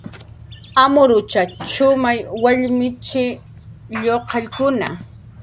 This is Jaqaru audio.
Amruchatx shumay wallmichi, lluqallkuna